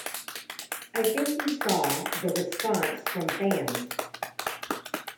I think you saw the response from the fans.